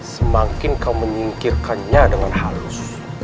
semakin kau menyingkirkannya dengan halus